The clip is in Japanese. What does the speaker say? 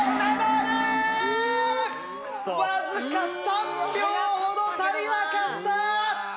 わずか３秒ほど足りなかった！